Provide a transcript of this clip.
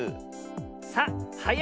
さあはや